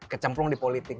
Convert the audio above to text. kecemplung di politik